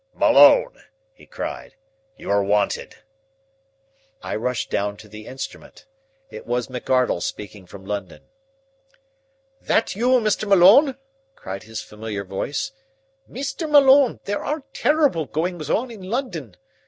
"Malone!" he cried. "You are wanted." I rushed down to the instrument. It was McArdle speaking from London. "That you, Mr. Malone?" cried his familiar voice. "Mr. Malone, there are terrible goings on in London.